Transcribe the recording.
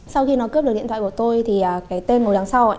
sau khi nó cướp được điện thoại của tôi thì cái tên ngồi đằng sau